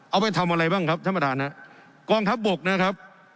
เอาไปทำอะไรบ้างครับท่านประธานฮะกองทัพบกนะครับ